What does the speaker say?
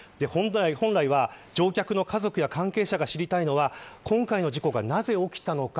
本来は、乗客の家族や関係者が知りたいのは今回の事故がなぜ起きたのか。